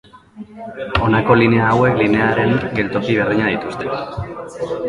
Honako linea hauek linearen geltoki berdinak dituzte.